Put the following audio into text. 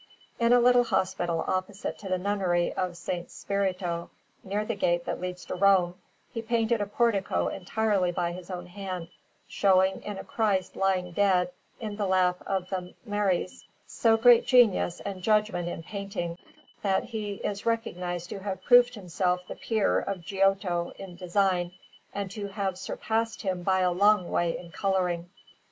In a little hospital opposite to the Nunnery of S. Spirito, near the gate that leads to Rome, he painted a portico entirely by his own hand, showing, in a Christ lying dead in the lap of the Maries, so great genius and judgment in painting, that he is recognized to have proved himself the peer of Giotto in design, and to have surpassed him by a long way in colouring.